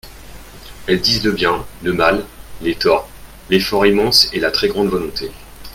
Elles disent le bien, le mal, les torts, l'effort immense et la très grande volonté.